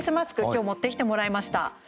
今日、持ってきてもらいました。